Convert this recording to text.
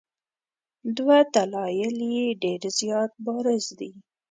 دوه دلایل یې ډېر زیات بارز دي.